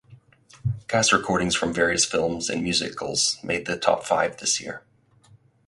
Cast recordings from various films and musicals made the top five this year.